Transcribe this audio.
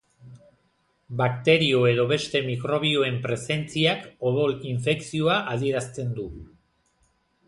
Bakterio edo beste mikrobioen presentziak odol-infekzioa adierazten du.